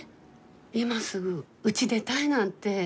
今すぐうち出たいなんて。